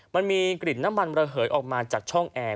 มันมีกลิ่นน้ำมันระเหยออกมาจากช่องแอร์